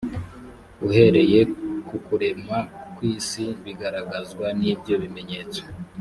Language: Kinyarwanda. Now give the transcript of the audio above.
uhereye ku kuremwa kw isi bigaragazwa n ibyo bimenyetso